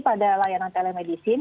kalau kita lihat di telemedicine